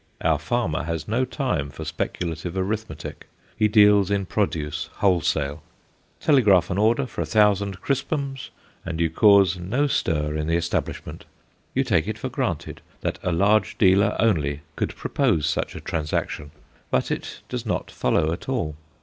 Our farmer has no time for speculative arithmetic; he deals in produce wholesale. Telegraph an order for a thousand crispums and you cause no stir in the establishment. You take it for granted that a large dealer only could propose such a transaction. But it does not follow at all.